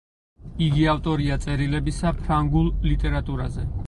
იგი ავტორია წერილებისა ფრანგულ ლიტერატურაზე.